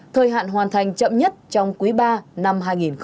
thời hạn hoàn thành chậm nhất trong quý ba năm hai nghìn hai mươi